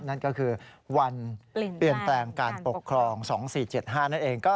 นั่นก็คือวันเปลี่ยนแปลงการปกครอง๒๔๗๕นั่นเอง